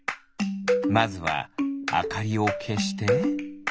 まずはあかりをけして。